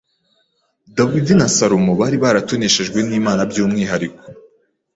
Dawidi na Salomo bari baratoneshejwe n’Imana by’umwihariko,